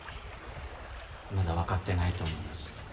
まだわかってないと思います。